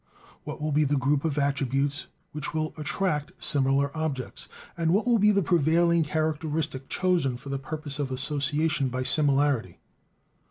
What will be the group of attributes which will attract similar objects? And what will be the prevailing characteristic chosen for the purpose of association by similarity?